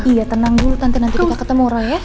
iya tenang dulu tante nanti kita ketemu roy ya